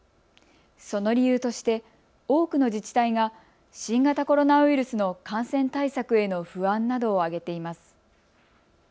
その理由として多くの自治体が新型コロナウイルスの感染対策への不安などを挙げています。